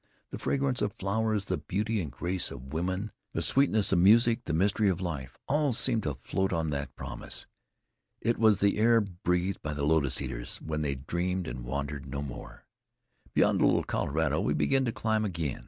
The fragrance of flowers, the beauty and grace of women, the sweetness of music, the mystery of life all seemed to float on that promise. It was the air breathed by the lotus eaters, when they dreamed, and wandered no more. Beyond the Little Colorado, we began to climb again.